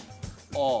ああ。